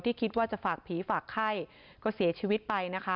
คิดว่าจะฝากผีฝากไข้ก็เสียชีวิตไปนะคะ